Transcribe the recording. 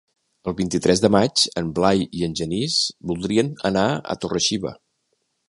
El vint-i-tres de maig en Blai i en Genís voldrien anar a Torre-xiva.